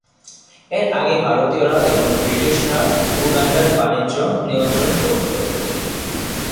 এর আগে ভারতীয়রা এবং ব্রিটিশরা উগান্ডার বাণিজ্য নিয়ন্ত্রণ করতো।